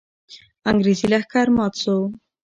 انګریزي لښکر مات سو.